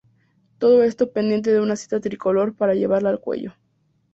Todo esto pendiente de una cinta tricolor para llevarla al cuello.